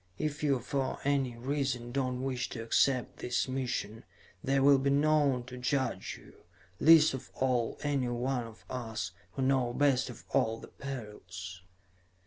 If you for any reason do not wish to accept this mission, there will be none to judge you, least of all, any one of us, who know best of all the perils."